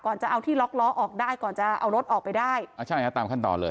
จะเอาที่ล็อกล้อออกได้ก่อนจะเอารถออกไปได้อ่าใช่ฮะตามขั้นตอนเลย